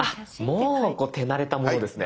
あっもう手慣れたものですね。